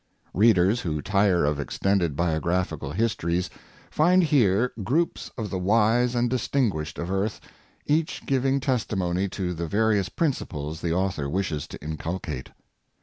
Readers who tire of extended biographical histories find here groups of the wise and distinguished of earth, each giving testimony to the various principles the author wishes to inculcate.